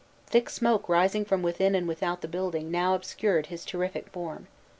Thick smoke rising from within and without the building now obscured his terrific form.